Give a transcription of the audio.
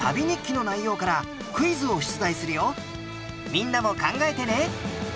みんなも考えてね。